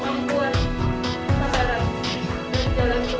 aku tidak mau